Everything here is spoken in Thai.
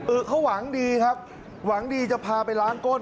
เขาหวังดีครับหวังดีจะพาไปล้างก้น